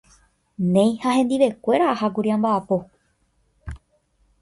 néi ha hendivekuéra ahákuri amba’apo